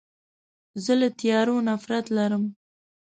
زه له تیارو نفرت لرم.